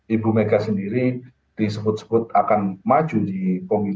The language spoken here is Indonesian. ibumega sendiri disebut sebut akan maju di pemilu dua ribu empat belas